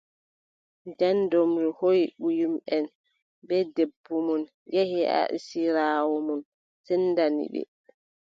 Nden doombru hooʼi ɓiyumʼen bee debbo mum, yehi haa esiraawo mum, sendani ɓe.